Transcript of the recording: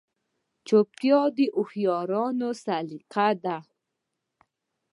چوپتیا، د هوښیارانو سلیقه ده.